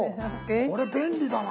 これ便利だな。